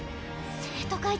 生徒会